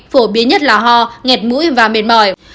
phổ biến nhất là ho ngẹt mũi và mệt mỏi